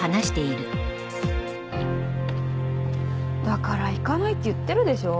だから行かないって言ってるでしょ。